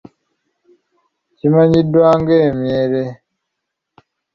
Kimanyiddwa ng'emyere.